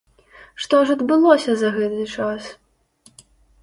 Што ж адбылося за гэты час?